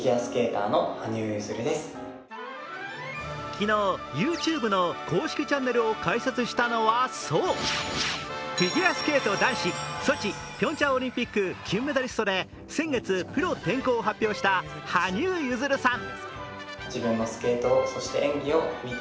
昨日、ＹｏｕＴｕｂｅの公式チャンネルを開設したのは、そう、フィギュアスケート男子ソチ・ピョンチャンオリンピック金メダリストで先月、プロ転向を発表した羽生結弦さん。